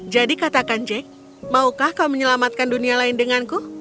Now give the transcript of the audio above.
jadi katakan jack maukah kau menyelamatkan dunia lain denganku